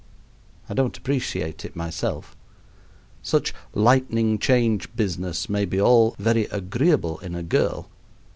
I don't appreciate it, myself. Such lightning change business may be all very agreeable in a girl.